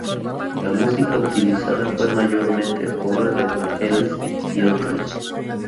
La música utilizada fue mayormente obra de Vangelis, y otros.